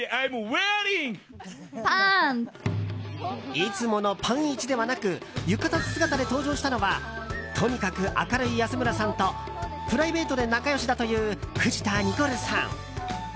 いつものパンイチではなく浴衣姿で登場したのはとにかく明るい安村さんとプライベートで仲良しだという藤田ニコルさん。